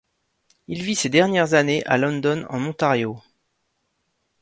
Il vit ses dernières années à London en Ontario.